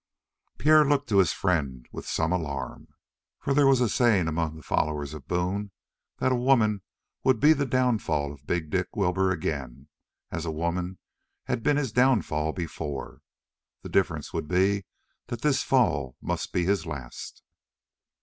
Pierre looked to his friend with some alarm, for there was a saying among the followers of Boone that a woman would be the downfall of big Dick Wilbur again, as a woman had been his downfall before. The difference would be that this fall must be his last.